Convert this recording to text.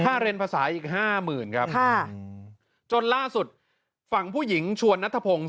เรียนภาษาอีกห้าหมื่นครับค่ะจนล่าสุดฝั่งผู้หญิงชวนนัทพงศ์